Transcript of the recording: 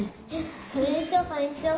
それにしようそれにしよう！